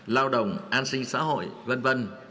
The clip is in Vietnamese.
lao động an sinh xã hội v v